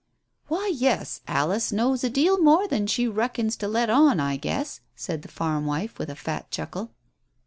"Why, yes. Alice knows a deal more than she reckons to let on, I guess," said the farm wife, with a fat chuckle.